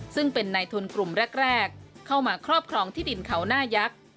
ซึ่งเป็นในทุนกลุ่มแรกเข้ามาครอบครองที่ดินเขาหน้ายักษ์